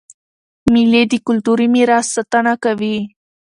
مېلې د کلتوري میراث ساتنه کوي.